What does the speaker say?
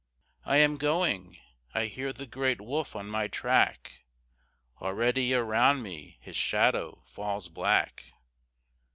I am going I hear the great wolf on my track; Already around me his shadow falls black.